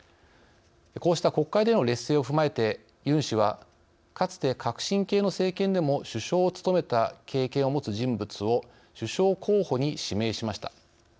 こうした国会での劣勢を踏まえてユン氏は、かつて革新系の政権でも首相を務めた経験を持つ人物を首相候補に指名しました。